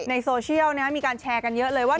ในโซเชียลมีการแชร์กันเยอะเลยว่า